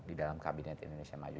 di dalam kabinet indonesia maju